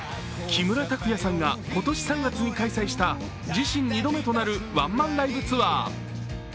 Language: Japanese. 木村拓哉さんが今年３月に開催した自身２度目となるワンマンライブツアー。